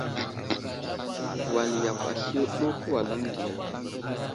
Wal yakw asliyo ɗu kəwalaŋ diya !